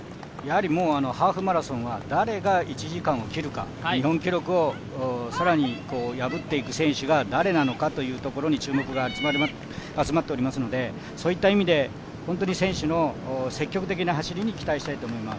もうハーフマラソンは誰が１時間を切るか、日本記録を更に破っていく選手が誰なのかというところに注目が集まっておりますので、そういった意味で選手の積極的な走りに期待したいと思います。